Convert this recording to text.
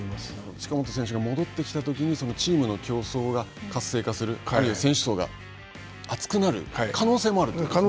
近本選手が戻ってきたときにそのチームの競争が活性化する、選手層が厚くなる可能性もあるということですね。